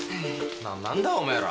何なんだお前ら。